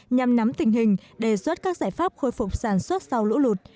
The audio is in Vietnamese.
nhằm nắm tình hình đề xuất các giải pháp khôi phục sản xuất sau lũ lụt